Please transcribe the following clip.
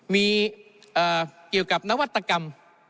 มีเกี่ยวกับนวัตกรรม